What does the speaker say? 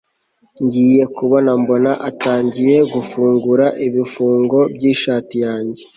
ngiye kubona mbona atangiye gufungura ibifungo byishati yanjye